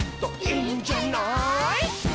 「いいんじゃない」